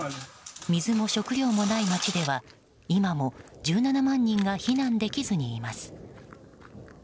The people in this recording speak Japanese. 水も食料もない街では、今も１７万人が避難できずにいます。